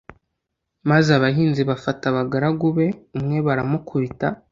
Maze abahinzi bafata abagaragu be, umwe baramukubita,